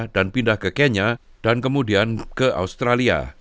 dan pindah ke kenya dan kemudian ke australia